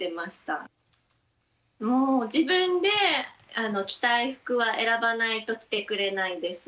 もう自分で着たい服は選ばないと着てくれないです。